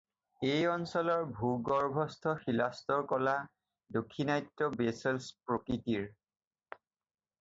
এই অঞ্চলৰ ভূগৰ্ভস্থ শিলাস্তৰ কলা দাক্ষিণাত্য বেচল্ট প্ৰকৃতিৰ।